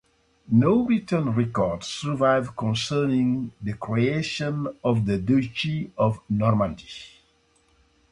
No written records survive concerning the creation of the Duchy of Normandy.